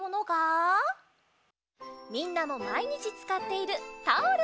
みんなもまいにちつかっているタオル！